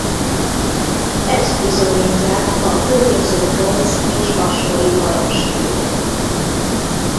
Ezt bizonyítják a környező bronz és vaskori halomsírok.